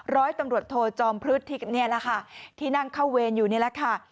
ร้อยตำรวจโทจอมพฤษที่นั่งเข้าเวนอยู่นี่แหละค่ะ